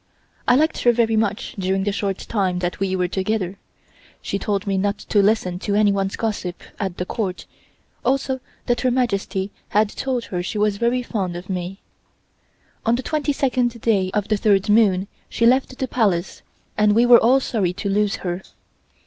I liked her very much during the short time that we were together. She told me not to listen to anyone's gossip at the Court, also that Her Majesty had told her she was very fond of me. On the twenty second day of the third moon she left the Palace, and we were all sorry to lose her.